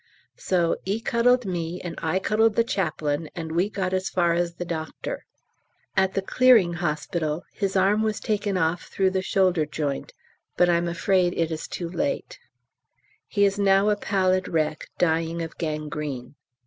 "So 'e cuddled me, and I cuddled the Chaplain, and we got as far as the doctor." At the Clearing H. his arm was taken off through the shoulder joint, but I'm afraid it is too late. He is now a pallid wreck, dying of gangrene.